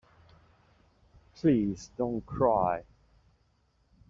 Please don't cry.